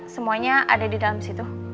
semuanya ada di dalam situ